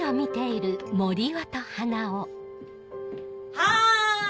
はい！